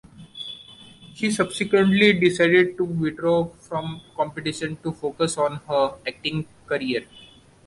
She subsequently decided to withdraw from competition to focus on her acting career.